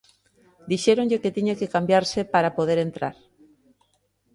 Dixéronlle que tiña que cambiarse para poder entrar.